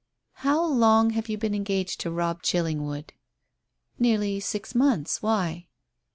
"How long have you been engaged to Robb Chillingwood?" "Nearly six months. Why?"